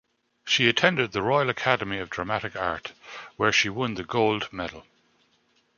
She attended the Royal Academy of Dramatic Art, where she won the Gold Medal.